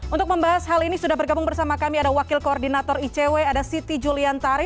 untuk membahas hal ini sudah bergabung bersama kami ada wakil koordinator icw ada siti julian tari